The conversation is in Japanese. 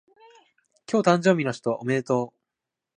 今日誕生日の人おめでとう